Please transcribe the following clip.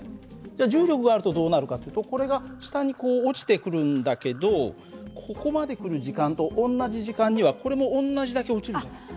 じゃ重力があるとどうなるかっていうとこれが下に落ちてくるんだけどここまで来る時間と同じ時間にはこれも同じだけ落ちるじゃない。